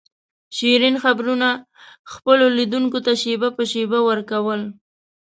شیرین خبرونه خپلو لیدونکو ته شېبه په شېبه ور کول.